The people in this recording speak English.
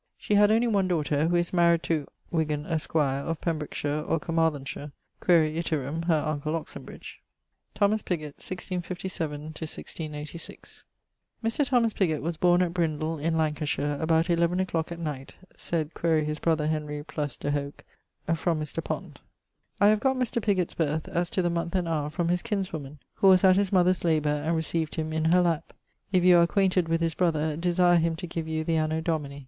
She had only one daughter ... who is maried to ... Wgan esq. of Pembrokeshire or Caermarthenshire quaere iterum her uncle Oxenbridge. =Thomas Pigot= (1657 1686). Mr. Thomas Pigot was borne at Brindle, in Lancashire, about eleven a clock at night (sed quaere his brother Henry + de hoc) from Mr. Pond. I have got Mr. Pigot's birth, as to the month and howre from his kinswoman who was at his mother's labour and recieved him in her lapp. If you are acquainted with his brother, desire him to give you the anno Domini.